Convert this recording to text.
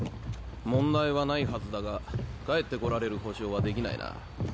問題はないはずだが帰って来られる保証はできないな。